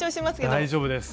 大丈夫です。